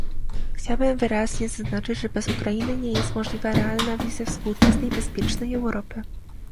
Chciałbym wyraźnie zaznaczyć, że bez Ukrainy nie jest możliwa realna wizja współczesnej, bezpiecznej Europy